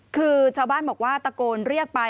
คือชาวบ้านบอกว่าตะโกนเรียกไป